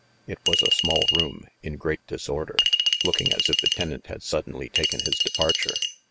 It was a small room, in great disorder, looking as if the tenant had suddenly taken his departure.